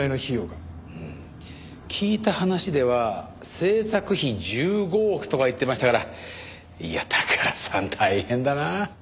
うーん聞いた話では製作費１５億とか言ってましたからいや宝さん大変だなあ。